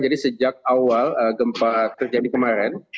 jadi sejak awal gempa terjadi kemarin